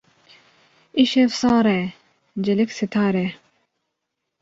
Îşev sar e, cilik sitar e.